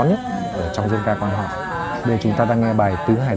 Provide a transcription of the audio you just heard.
mời em mong người